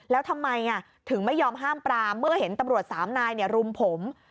แล้วทำไมถึงไม่ยอมห้ามปรามเมื่อเห็นตำรวจสามนายรุมผม